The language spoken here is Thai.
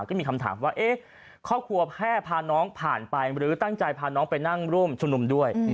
ก็มีคำถามว่าครอบครัวแพร่พาน้องผ่านไปหรือตั้งใจพาน้องไปนั่งร่วมชุมนุมด้วย